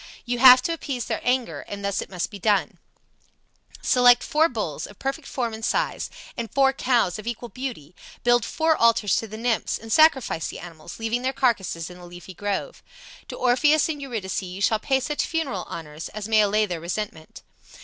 You have to appease their anger, and thus it must be done: Select four bulls, of perfect form and size, and four cows of equal beauty, build four altars to the nymphs, and sacrifice the animals, leaving their carcasses in the leafy grove. To Orpheus and Eurydice you shall pay such funeral honors as may allay their resentment.